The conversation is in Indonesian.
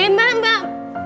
eh mbak mbak